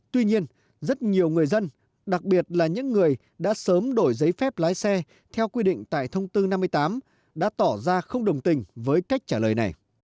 tuy nhiên rất nhiều người dân đặc biệt là những người đã sớm đổi giấy phép lái xe theo quy định tại thông tư năm mươi tám đã tỏ ra không đồng tình với cách trả lời này